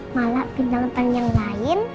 malah bintang bintang yang lain